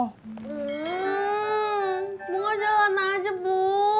hmm bunga jalan aja bu